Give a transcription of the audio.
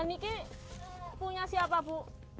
ini punya siapa ibu